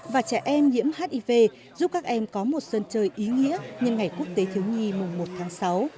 và trẻ em nhiễm hiv giúp các em có một sân chơi ý nghĩa nhân ngày quốc tế thứ hai mùa một tháng sáu